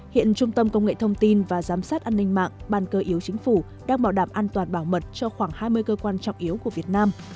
hiện trung tâm công nghệ thông tin và giám sát an ninh mạng ban cơ yếu chính phủ đang bảo đảm an toàn bảo mật cho khoảng hai mươi cơ quan trọng yếu của việt nam